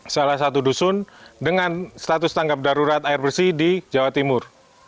salah satu dusun dengan status tanggap darurat air bersih di jawa timur